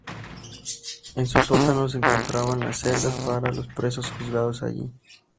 En sus sótanos se encontraban las celdas para los presos juzgados allí.